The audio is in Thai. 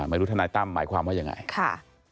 ไม่รู้ท่านายตั้มหมายความว่าอย่างไร